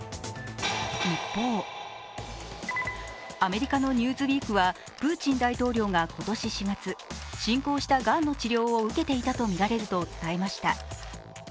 一方、アメリカの「ニューズウィーク」はプーチン大統領が今年４月、進行したがんの治療を受けていたとみられると伝えました。